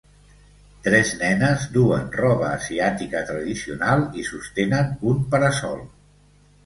Tres nenes duen roba asiàtica tradicional i sostenen un para-sol.